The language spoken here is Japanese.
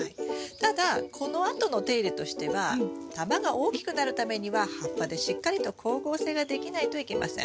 ただこのあとの手入れとしては玉が大きくなるためには葉っぱでしっかりと光合成ができないといけません。